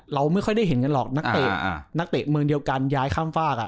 เราไม่ค่อยได้เห็นกันหรอกนักเตะนักเตะเมืองเดียวกันย้ายข้ามฝาก